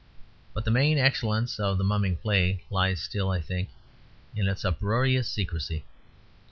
But the main excellence of the Mumming Play lies still, I think, in its uproarious secrecy.